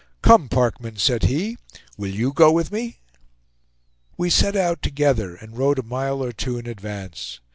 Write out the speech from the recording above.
"Come, Parkman," said he, "will you go with me?" We set out together, and rode a mile or two in advance.